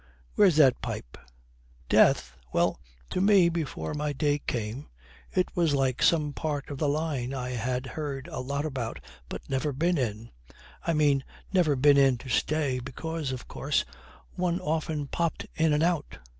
'Where's that pipe? Death? Well, to me, before my day came, it was like some part of the line I had heard a lot about but never been in. I mean, never been in to stay, because, of course, one often popped in and out.'